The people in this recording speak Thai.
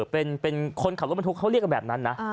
เป็นคนขับรถบรรทุกเขาเรียกกันแบบนั้นนะ